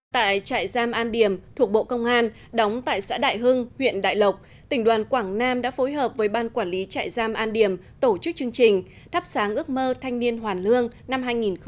tại trại giam an điểm thuộc bộ công an đóng tại xã đại hưng huyện đại lộc tỉnh đoàn quảng nam đã phối hợp với ban quản lý trại giam an điểm tổ chức chương trình thắp sáng ước mơ thanh niên hoàn lương năm hai nghìn hai mươi